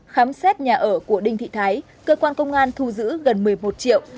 khám xét nhà ở của đinh thị thái cơ quan công an thu giữ gần một mươi một triệu